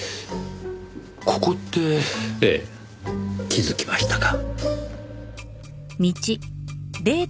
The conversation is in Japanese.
ここって。ええ気づきましたか。